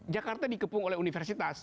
jakarta dikepung oleh universitas